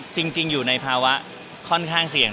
จริงอยู่ในภาวะค่อนข้างเสี่ยง